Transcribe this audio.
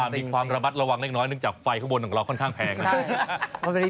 มีความระมัดระวังเล็กน้อยเนื่องจากไฟข้างบนของเราค่อนข้างแพงนะครับ